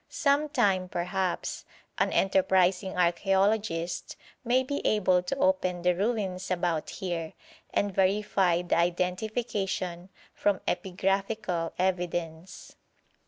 Some time, perhaps, an enterprising archæologist may be able to open the ruins about here, and verify the identification from epigraphical evidence.